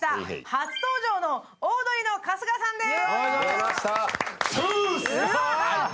初登場のオードリーの春日さんです。